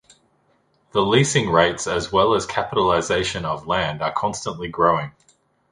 The leasing rates as well as capitalization of land are constantly growing.